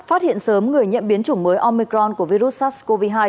phát hiện sớm người nhiễm biến chủng mới omicron của virus sars cov hai